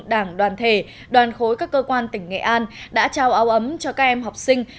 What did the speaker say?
đảng đoàn thể đoàn khối các cơ quan tỉnh nghệ an đã trao áo ấm cho các em học sinh